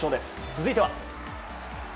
続いては。